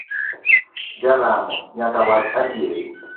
Jalamo nyaka wach adieri.